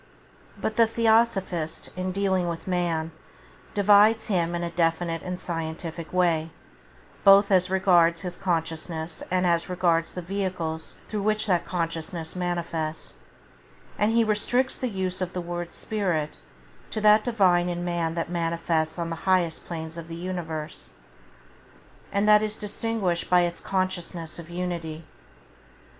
But the Theosophist, in dealing with man, divides him in a definite and scientific way both as regards his consciousness and as regards the vehicles through which that consciousness manifests, and he restricts the use of the word spirit to that Divine in man that manifests on the highest planes of the universe, and that is distinguished by its consciousness of unity.